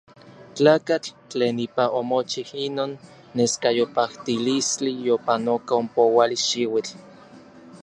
Tlakatl tlen ipa omochij inon neskayopajtilistli yopanoka ompouali xiuitl.